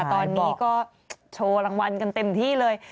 ตอนนี้ก็โชว์รางวัลกันเต็มที่เลย